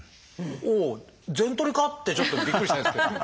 おお全取りか？ってちょっとびっくりしたんですけども。